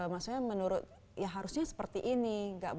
maksudnya menurut ya harusnya seperti ini